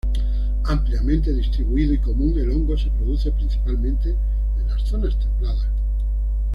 Ampliamente distribuido y común, el hongo se produce principalmente en las zonas templadas.